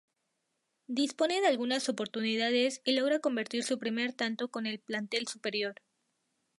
Dispone de algunas oportunidades y logra convertir su primer tanto con el plantel superior.